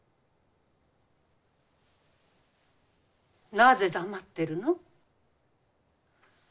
なぜ黙ってるの。